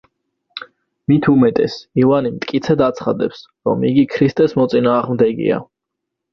მით უმეტეს, ივანი მტკიცედ აცხადებს, რომ იგი ქრისტეს მოწინააღმდეგეა.